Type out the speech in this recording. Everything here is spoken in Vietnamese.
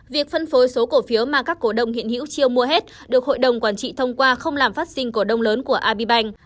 việc phân phối số cổ phiếu mà các cổ đông hiện hữu chưa mua hết được hội đồng quản trị thông qua không làm phát sinh cổ đông lớn của abbank